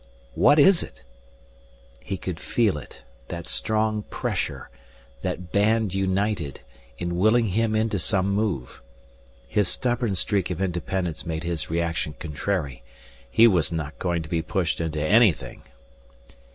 "What is it?" He could feel it, that strong pressure, that band united, in willing him into some move. His stubborn streak of independence made his reaction contrary. He was not going to be pushed into anything.